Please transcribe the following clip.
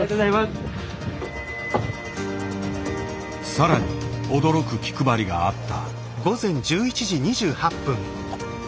さらに驚く気配りがあった。